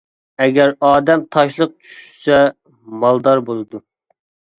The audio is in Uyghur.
ئەگەر ئادەم تاشلىق چۈشىسە مالدار بولىدۇ.